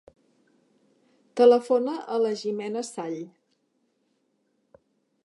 Telefona a la Jimena Sall.